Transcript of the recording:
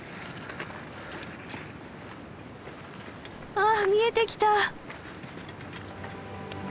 あ見えてきた。